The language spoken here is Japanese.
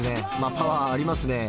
パワーありますね。